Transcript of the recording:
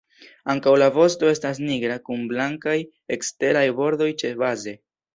Ankaŭ la vosto estas nigra kun blankaj eksteraj bordoj ĉebaze.